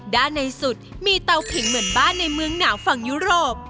ด้านในสุดมีเตาผิงเหมือนบ้านในเมืองหนาวฝั่งยุโรป